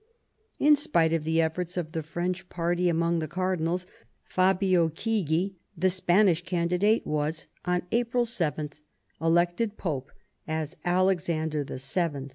In spite of the efforts of the French party among the cardinals, Fabio Chigi, the Spanish candidate, was, on April 7, elected Pope as Alexander VII.